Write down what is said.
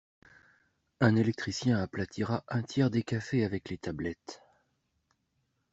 Un électricien aplatira un tiers des cafés avec les tablettes.